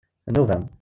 D nnuba-m.